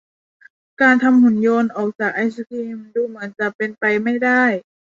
การทำหุ่นยนต์ออกจากไอศกรีมดูเหมือนจะเป็นไปไม่ได้